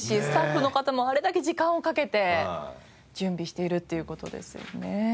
スタッフの方もあれだけ時間をかけて準備しているっていう事ですよね。